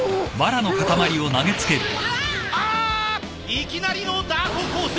いきなりのダートコース！